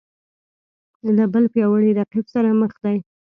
له بل پیاوړي رقیب سره مخ دی